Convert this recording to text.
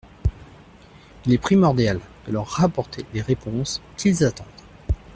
Il est primordial de leur apporter les réponses qu’ils attendent.